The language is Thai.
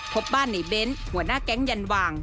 พบบ้านในเบ้นหัวหน้าแก๊งยันวาง